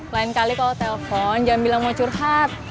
lain kali kalau telpon jangan bilang mau curhat